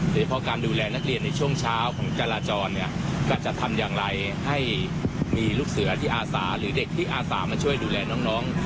โดยเฉพาะการดูแลนักเรียนในช่วงเช้าของจราจรเนี่ยก็จะทำอย่างไรให้มีลูกเสือที่อาสาหรือเด็กที่อาสามาช่วยดูแลน้อง